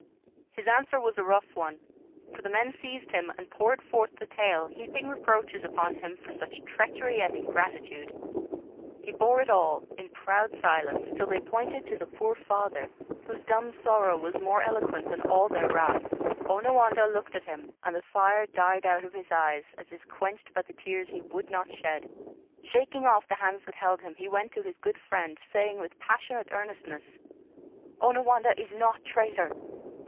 His answer was a rough one, for the men seized him and poured forth the tale, heaping reproaches upon him for such treachery and ingratitude. He bore it all in proud silence till they pointed to the poor father, whose dumb sorrow was more eloquent than all their wrath. Onawandah looked at him, and the fire died out of his eyes as if quenched by the tears he would not shed. Shaking off the hands that held him, he went to his good friend, saying with passionate earnestness: "Onawandah is not traitor!